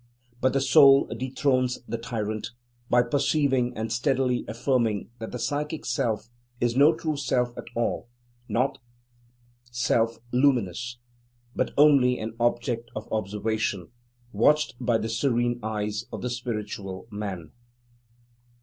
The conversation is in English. But the Soul dethrones the tyrant, by perceiving and steadily affirming that the psychic self is no true self at all, not self luminous, but only an object of observation, watched by the serene eyes of the Spiritual Man.